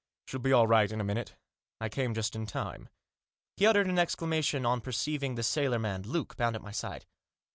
She'll be all right in a minute. I came just in time." He uttered an exclamation on per ceiving the sailor man, Luke, bound, at my side.